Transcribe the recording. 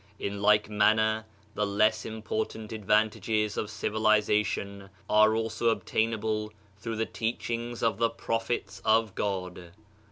In like manner, the less important advantages of civilization are also obtainable through the teach ings of the Prophets of God.